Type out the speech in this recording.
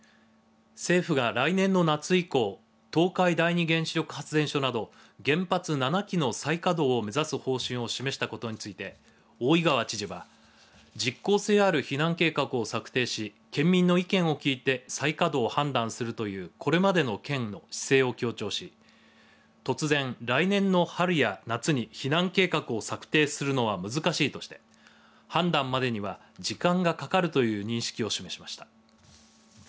政府が来年の夏以降東海第二原子力発電所など原発７基の再稼働を目指したことについて大井川知事は実効性ある避難計画を策定し県民の意見を聞いて再稼働を判断するというこれまでの県の姿勢を強調し突然、来年の春や夏に避難計画を策定するのは難しいとして判断までには時間がかかるという認識を示しました。